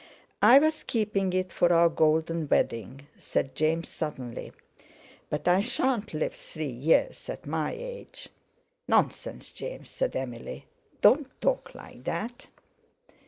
"I was keeping it for our golden wedding," said James suddenly, "but I shan't live three years at my age." "Nonsense, James," said Emily, "don't talk like that."